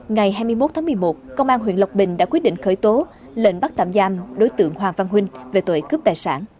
ngày hai mươi một tháng một mươi một công an huyện lộc bình đã quyết định khởi tố lệnh bắt tạm giam đối tượng hoàng văn huynh về tội cướp tài sản